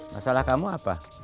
masalah kamu apa